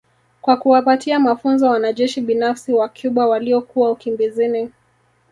kwa kuwapatia mafunzo wanajeshi binafsi wa Cuba waliokuwa ukimbizini